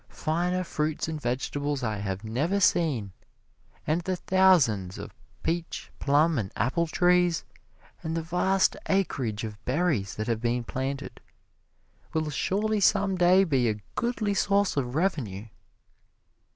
Finer fruit and vegetables I have never seen, and the thousands of peach, plum and apple trees, and the vast acreage of berries that have been planted, will surely some day be a goodly source of revenue.